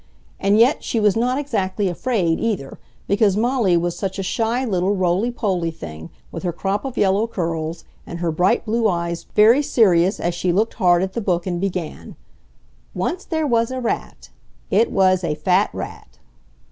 And yet she was not exactly afraid, either, because Molly was such a shy little roly poly thing, with her crop of yellow curls, and her bright blue eyes very serious as she looked hard at the book and began: "Once there was a rat. It was a fat rat."